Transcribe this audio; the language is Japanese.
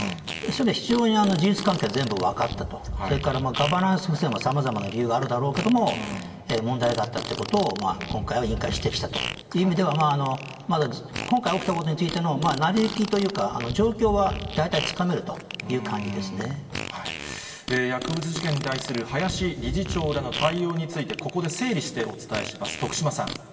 非常に事実関係は全部分かったと、それからガバナンス不全もさまざまな理由があるだろうけれども、問題があったということを、今回は委員会、指摘したという意味では、今回起きたことについての成り行きというか、状況は大体薬物事件に対する林理事長らの対応について、ここで整理してお伝えします。